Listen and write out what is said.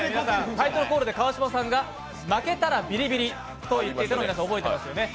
タイトルコールで川島さんが負けたらビリビリと言っていたのを皆さん覚えていますよね。